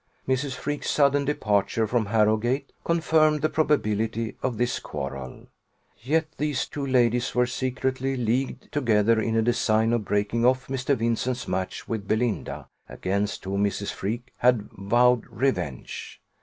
Mrs. Freke's sudden departure from Harrowgate confirmed the probability of this quarrel; yet these two ladies were secretly leagued together in a design of breaking off Mr. Vincent's match with Belinda, against whom Mrs. Freke had vowed revenge.